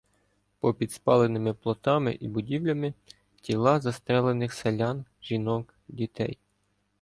Попід спаленими плотами і будівлями — тіла застрелених селян, жінок, дітей.